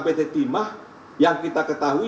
pt timah yang kita ketahui